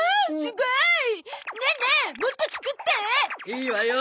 いいわよ。